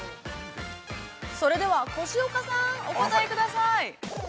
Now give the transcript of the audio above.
◆それでは越岡さん、お答えください。